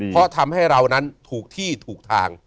เพราะทำให้เรานั้นถูกที่ถูกทาง